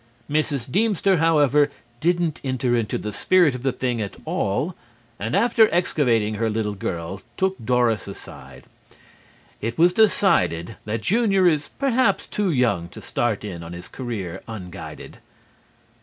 Mrs. Deemster, however, didn't enter into the spirit of the thing at all, and after excavating her little girl, took Doris aside. It was decided that Junior is perhaps too young to start in on his career unguided.